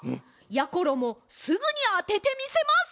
やころもすぐにあててみせます。